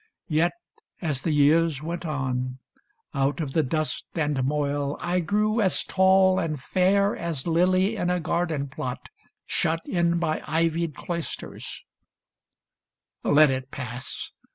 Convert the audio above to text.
Yet, as the years went on, Out of the dust and moil I grew as tall And fair as lily in a garden plot. Shut in by ivied cloisters — Let it pass